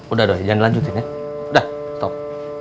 udah doh jangan lanjutin ya udah stop